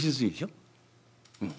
「うん」。